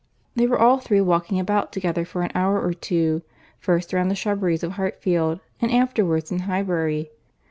They were all three walking about together for an hour or two—first round the shrubberies of Hartfield, and afterwards in Highbury.